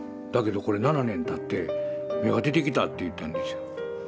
だけどこれ７年たって芽が出てきたって言ったんですよ。